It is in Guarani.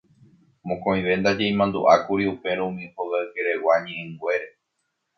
Mokõive ndaje imandu'ákuri upérõ umi hogaykeregua ñe'ẽnguére.